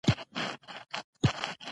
يادونه: د شرکت قانوني اسناد، کاري سابقه،